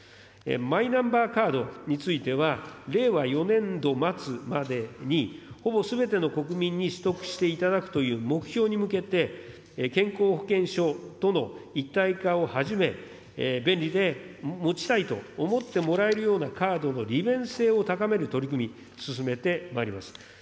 マイナンバーカードについては、令和４年度末までに、ほぼすべての国民に取得していただくという目標に向けて、健康保険証との一体化をはじめ、便利で持ちたいと思ってもらえるようなカードの利便性を高める取り組みを進めてまいります。